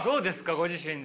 ご自身で。